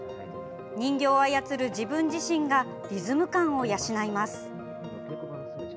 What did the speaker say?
人形を操る自分自身がリズム感を養います。